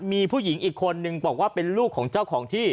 มีผู้หญิงอีกคนนึงบอกว่าเป็นลูกของเจ้าของที่